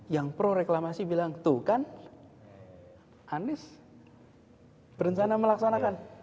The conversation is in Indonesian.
yang pro reklamasi bilang tuh kan anies berencana melaksanakan